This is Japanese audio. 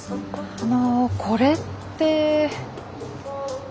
あのこれって。